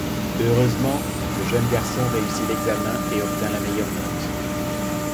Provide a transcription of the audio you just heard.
Heureusement, le jeune garçon réussit l'examen et obtint la meilleure note.